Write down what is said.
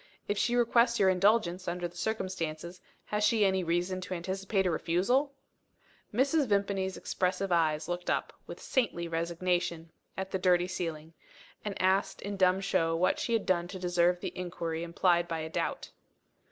If she requests your indulgence, under the circumstances, has she any reason to anticipate a refusal?" Mrs. Vimpany's expressive eyes looked up, with saintly resignation, at the dirty ceiling and asked in dumb show what she had done to deserve the injury implied by a doubt.